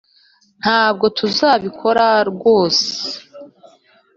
ntabwo tuzabikora ryose